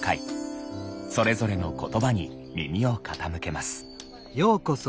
それぞれの言葉に耳を傾けます。